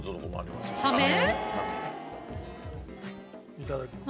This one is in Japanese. いただきます。